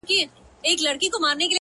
دا وايي دا توره بلا وړي څوك-